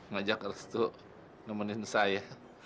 ngajak restu nemenin saya